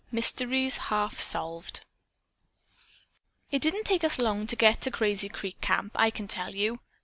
MYSTERIES HALF SOLVED "It didn't take us long to get to Crazy Creek Camp, I can tell you."